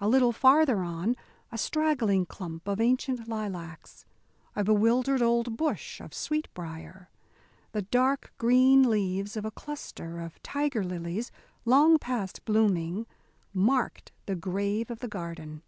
A little farther on, a straggling clump of ancient lilacs, a bewildered old bush of sweetbrier, the dark green leaves of a cluster of tiger lilies, long past blooming, marked the grave of the garden.